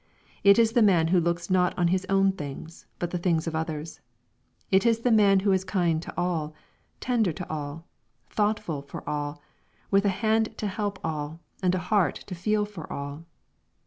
It is the man who looks not on his own things, but the things of others. It is the man who is kind to all, tender to all, thoughtful for all, with a hand to help all, and a heart to feel for all.